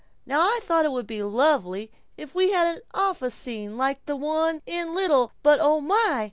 Now I thought it would be lovely if we had an office scene like the one in 'Little, But Oh My!'